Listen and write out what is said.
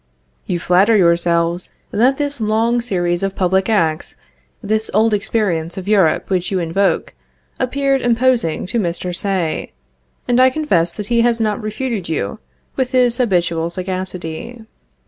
You even flatter yourselves that this long series of public acts, this old experience of Europe which you invoke, appeared imposing to Mr. Say; and I confess that he has not refuted you, with his habitual sagacity.